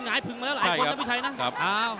หงายพึงมาแล้วหลายคนแล้วไม่ใช่นะครับอ้าว